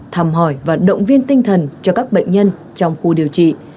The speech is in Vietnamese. thăm hỏi và động viên tinh thần cho các bệnh nhân trong khu điều trị